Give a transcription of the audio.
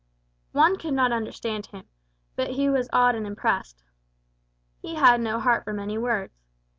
Juan could not understand him, but he was awed and impressed. He had no heart for many words.